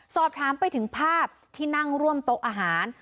สอบถามไปถึงภาพที่นั่งร่วมโต๊ะอาหาร